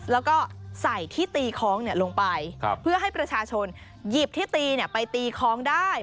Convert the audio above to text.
แล้วก็ใส่ที่ตีคล้องลงไปเพื่อให้ประชาชนหยิบที่ตีไปตีคล้องได้